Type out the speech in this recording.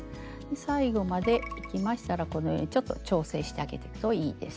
最後までいきましたらこのようにちょっと調整してあげるといいです。